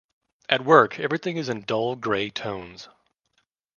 At work everything is in dull gray tones.